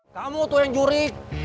kamu tuh yang juri